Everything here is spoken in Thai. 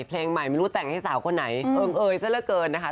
เพลงใหม่ไม่รู้แต่งให้สาวคนไหนเอิงเอยซะละเกินนะคะ